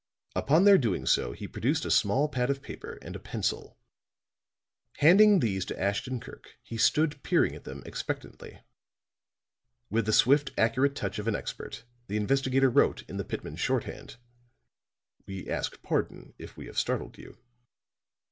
Upon their doing so he produced a small pad of paper and a pencil; handing these to Ashton Kirk he stood peering at them expectantly. With the swift, accurate touch of an expert, the investigator wrote in the Pitman shorthand: "We ask pardon if we have startled you."